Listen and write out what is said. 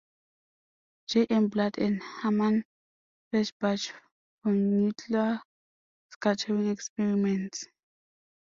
J. M. Blatt and Herman Feshbach for nuclear scattering experiments.